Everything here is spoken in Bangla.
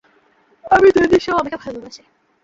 আমি জানি সেও আমাকে ভালোবাসে।